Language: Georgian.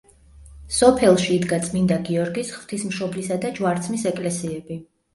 სოფელში იდგა წმინდა გიორგის, ღვთისმშობლისა და ჯვარცმის ეკლესიები.